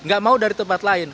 gak mau dari tempat lain